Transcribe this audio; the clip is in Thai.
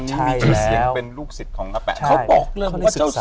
ชัยแล้วเป็นลูกศิษย์ของแปะเขาบอกเลยว่าเจ้าสว